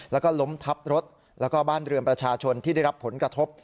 แล้วก็ล้มทับรถแล้วก็บ้านเรือนประชาชนที่ได้รับผลกระทบ